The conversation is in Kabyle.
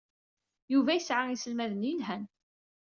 Yuba yesɛa iselmaden yelhan.